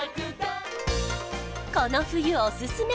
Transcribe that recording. この冬おすすめ！